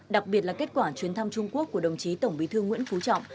đặc biệt là kết quả chuyến thăm trung quốc của đồng chí tổng bí thư nguyễn phú trọng